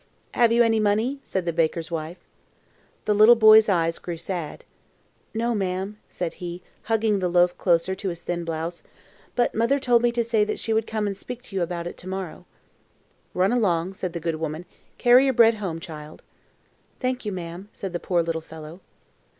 "Have you any money?" said the baker's wife. The little boy's eyes grew sad. "No, ma'am," said he, hugging the loaf closer to his thin blouse; "but mother told me to say that she would come and speak to you about it to morrow." "Run along," said the good woman; "carry your bread home, child." "Thank you, ma'am," said the poor little fellow.